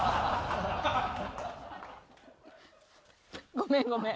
ごめんごめん。